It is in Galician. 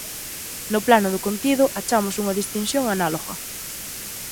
No plano do contido achamos unha distinción análoga.